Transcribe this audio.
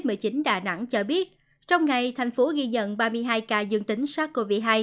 bộ phòng chống dịch covid một mươi chín đà nẵng cho biết trong ngày thành phố ghi nhận ba mươi hai ca dương tính sars cov hai